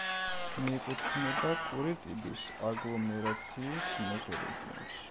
მიეკუთვნება კურიტიბის აგლომერაციის მეზორეგიონს.